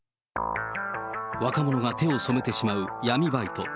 若者が手を染めてしまう闇バイト。